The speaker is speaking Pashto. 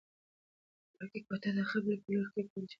وړوکې کوټه د قبلې په لور له کوره جلا جوړه شوې ده.